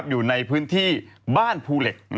อยู่ในพื้นที่บ้านภูเหล็ก